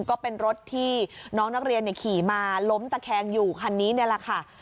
ก็เป็นรถที่น้องนักเรียนขี่มาล้มตะแคงอยู่คันนี้นี่แหละค่ะ